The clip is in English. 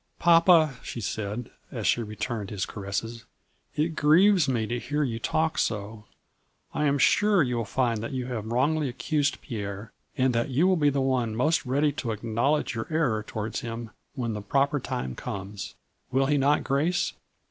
" Papa," she said, as she returned his caresses, " it grieves me to hear you talk so. I am sure you will find that you have wrongly ac cused Pierre, and that you will be the one most ready to acknowledge your error towards him when the proper time comes. Will he not, Grace